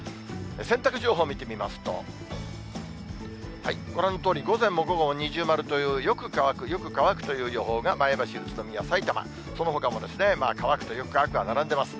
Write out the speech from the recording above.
洗濯情報見てみますと、ご覧のとおり、午前も午後も二重丸という、よく乾く、よく乾くという予報が前橋、宇都宮、さいたま、そのほかも乾くとよく乾くが並んでいます。